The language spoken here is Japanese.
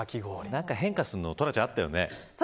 何か変化するのトラちゃん、あったよね。